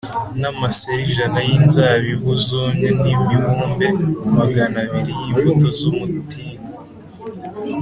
N’amaseri ijana y’inzabibu zumye n’imibumbe magana abiri y’imbuto z’umutini